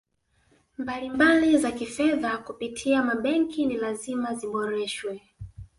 mbalimbali za Kifedha kupitia mabenki ni lazima ziboreshwe